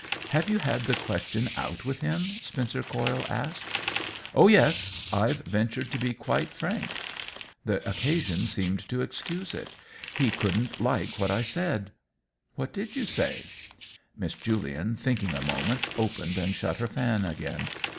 " Have you had the question out with him ?" Spencer Coyle asked. " Oh yes ; IVe ventured to be frank — the occasion seemed to excuse it. He couldn't like what I said." " What did you say ?" Miss Julian, thinking a moment, opened and shut her fan again.